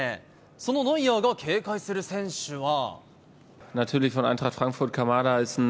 そのノイアーが警戒する選手は。